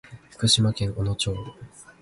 福島県小野町